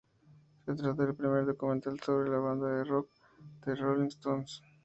Se trata del primer documental sobre la banda de rock The Rolling Stones.